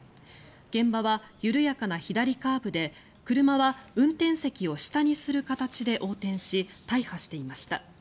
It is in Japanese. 現場は緩やかな左カーブで車は運転席を下にする形で横転し大破していました。